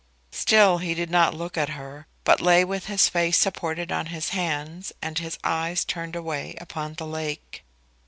Still he did not look at her, but lay with his face supported on his hands, and his eyes turned away upon the lake.